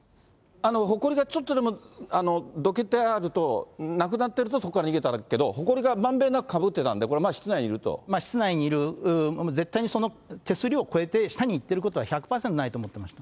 ほこりがちょっとでもどけてあるとなくなっていると、そこから逃げたけど、ほこりがまんべんなくかぶってたので、これ、室内室内にいる、絶対にその手すりを越えて、下に行ってることは１００％ないと思ってました。